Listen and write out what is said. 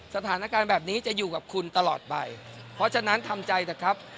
สถานการณ์แบบนี้จะอยู่กับคุณตลอดไปเพราะฉะนั้นทำใจเถอะครับ